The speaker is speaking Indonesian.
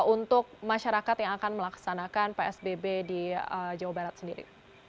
untuk masyarakat yang akan melaksanakan psbb di jawa barat sendiri